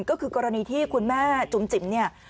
ก็คือกรณีที่คุณแม่จุ๋มจิ๋มเนี่ย